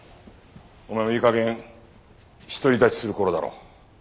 お前もいいかげん独り立ちする頃だろ。